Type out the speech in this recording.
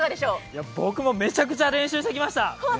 僕もめちゃくちゃ練習してきました。